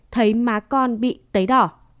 thấy má con bị tấy đỏ